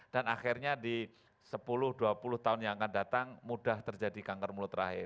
dan akhirnya di sepuluh dua puluh tahun yang akan datang mudah terjadi kanker mulut rahim